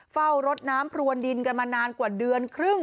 รดน้ำพรวนดินกันมานานกว่าเดือนครึ่ง